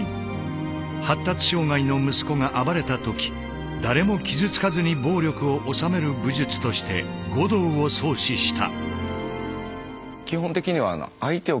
発達障害の息子が暴れた時誰も傷つかずに暴力を収める武術として「護道」を創始した。